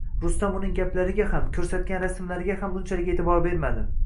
Rustam uning gaplariga ham, ko`rsatgan rasmlariga ham unchalik e`tibor bermadi